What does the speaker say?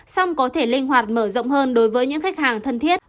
song có thể linh hoạt mở rộng hơn đối với những khách hàng thân thiết